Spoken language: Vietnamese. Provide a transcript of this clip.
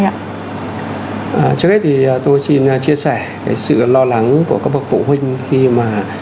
trước hết thì tôi xin chia sẻ sự lo lắng của các bậc phụ huynh khi mà